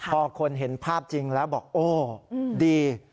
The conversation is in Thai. พอคนเห็นภาพจริงแล้วบอกโอ้ดี